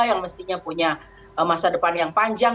yang mestinya punya masa depan yang panjang